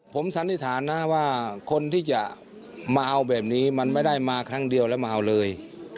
ผมสันนิษฐานนะว่าคนที่จะมาเอาแบบนี้มันไม่ได้มาครั้งเดียวแล้วมาเอาเลย